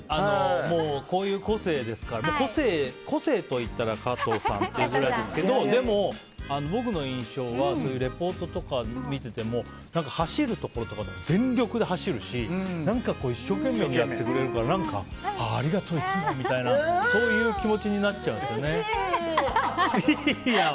もうこういう個性ですから個性と言ったら加藤さんっていうくらいですけどでも僕の印象はそういうリポートとか見てても走るところとかでも全力で走るし一生懸命やってくれるから何か、ありがとういつもみたいな気持ちにうれしい！